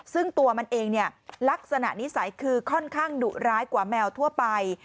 ซึ่งตัวมันเองเนี่ยลักษณะนิสัยคือค่อนข้างดุร้ายกว่าแมวทั่วไป